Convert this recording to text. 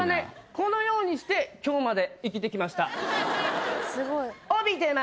このようにして今日まで生きてきました。